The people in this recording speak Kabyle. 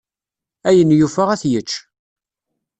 Ayen yufa ad t-yečč.